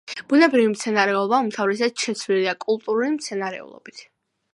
ბუნებრივი მცენარეულობა უმთავრესად შეცვლილია კულტურული მცენარეულობით.